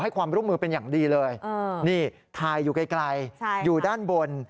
ความร่วมมือเป็นอย่างดีเลยนี่ถ่ายอยู่ไกลอยู่ด้านบน